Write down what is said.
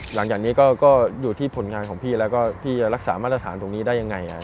หลังจากนี้ก็อยู่ที่ผลงานของพี่แล้วก็พี่จะรักษามาตรฐานตรงนี้ได้ยังไง